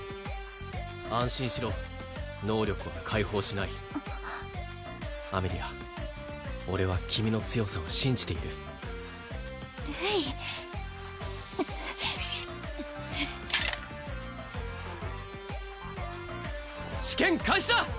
安心しろ能力は解放しないアメリア俺は君の強さを信じているレイ試験開始だ！